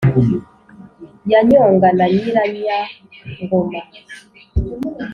ya nyonga na nyiranyangoma.